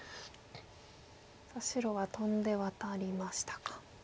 白はトンでワタりましたか。